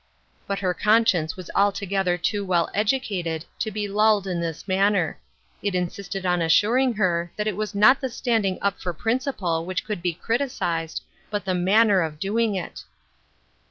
But her conscience was altogether too well educated to be lulled in this manner ; it insisted on assuring her that it was not the standing up for principle which could be criticised, but the manner of doing it.